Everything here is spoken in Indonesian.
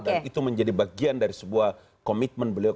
dan itu menjadi bagian dari sebuah komitmen beliau